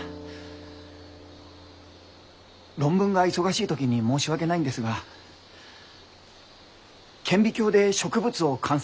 論文が忙しい時に申し訳ないんですが顕微鏡で植物を観察する方法を教えてくれませんか？